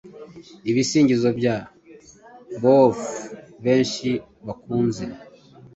Ibisingizo bya Beowulf benshi bakunze